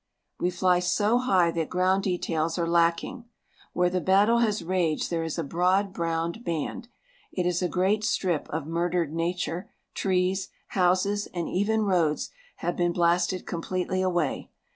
We fly so high that ground details are lacking. Where the battle has raged there is a broad, browned band. It is a great strip of murdered Nature. Trees, houses, and even roads have been blasted completely away.